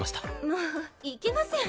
もういけません